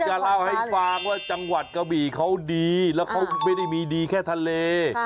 จะเล่าให้ฟังว่าจังหวัดกะบี่เขาดีแล้วเขาไม่ได้มีดีแค่ทะเล